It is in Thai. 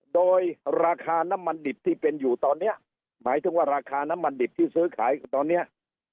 โดยราคาน้ำมันดิบที่เป็นอยู่ตอนนี้หมายถึงว่าราคาน้ำมันดิบที่ซื้อขายตอนเนี้ย